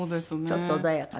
ちょっと穏やかな。